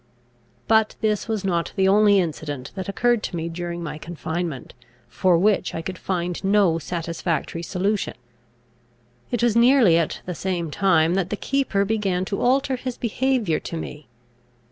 But this was not the only incident that occurred to me during my confinement, for which I could find no satisfactory solution. It was nearly at the same time, that the keeper began to alter his behaviour to me.